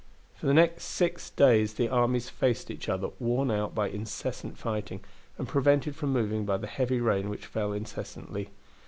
For the next six days the armies faced each other, worn out by incessant fighting, and prevented from moving by the heavy rain which fell incessantly.